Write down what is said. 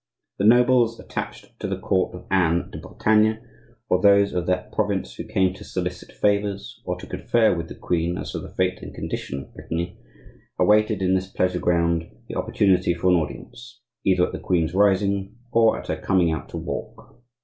The nobles attached to the Court of Anne de Bretagne, or those of that province who came to solicit favors, or to confer with the queen as to the fate and condition of Brittany, awaited in this pleasure ground the opportunity for an audience, either at the queen's rising, or at her coming out to walk.